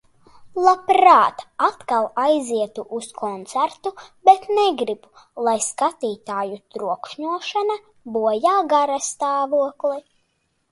Labprāt atkal aizietu uz koncertu, bet negribu, lai skatītāju trokšņošana bojā garastāvokli.